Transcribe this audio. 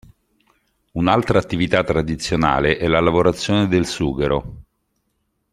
Un'altra attività tradizionale è la lavorazione del sughero.